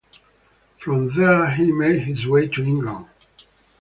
From there he made his way to England.